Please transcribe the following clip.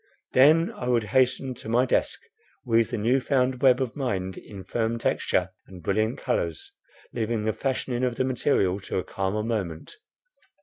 Then I would hasten to my desk, weave the new found web of mind in firm texture and brilliant colours, leaving the fashioning of the material to a calmer moment.